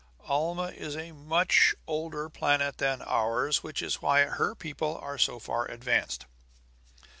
Alma is a much older planet than ours, which is why her people are so far advanced."